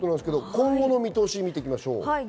今後の見通し見ていきましょう。